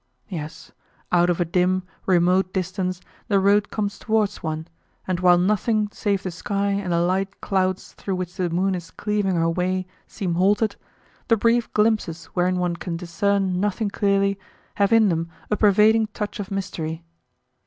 Yes, out of a dim, remote distance the road comes towards one, and while nothing save the sky and the light clouds through which the moon is cleaving her way seem halted, the brief glimpses wherein one can discern nothing clearly have in them a pervading touch of mystery.